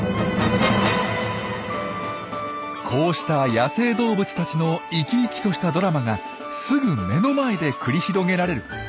こうした野生動物たちの生き生きとしたドラマがすぐ目の前で繰り広げられる。